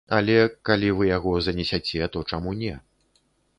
Але калі вы яго занесяце, то чаму не.